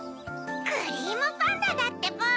クリームパンダだってば！